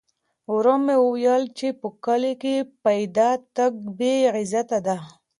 ورور مې وویل چې په کلي کې پیاده تګ بې عزتي ده.